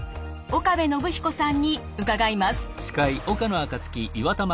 岡部信彦さんに伺います。